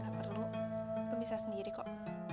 gak perlu kamu bisa sendiri kok